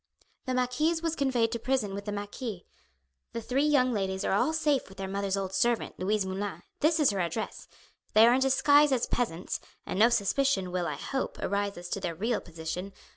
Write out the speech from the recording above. "The marquise was conveyed to prison with the marquis. The three young ladies are all safe with their mother's old servant, Louise Moulin; this is her address. They are in disguise as peasants, and no suspicion will, I hope, arise as to their real position.